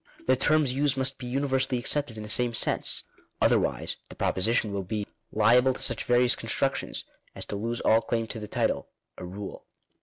The terms used must be universally accepted in the same sense, otherwise the proposition will be liable to such various con structions, as to lose all claim to the title — a rule.